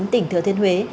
tỉnh thừa thiên huế